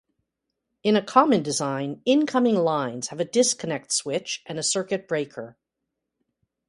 In a common design, incoming lines have a disconnect switch and a circuit breaker.